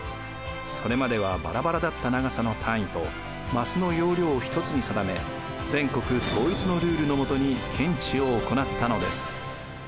それまではバラバラだった長さの単位と枡の容量を一つに定め全国統一のルールのもとに検地を行ったのです。